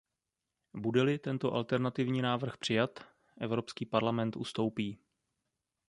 Bude-li tento alternativní návrh přijat, Evropský parlament ustoupí.